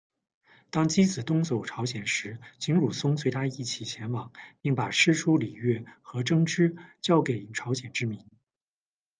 当箕子东走朝鲜时，景汝松随他一起前往，并把诗书礼乐和政制教给朝鲜之民。